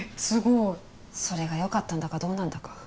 すごーいそれがよかったんだかどうなんだか